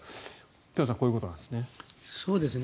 辺さんこういうことなんですね。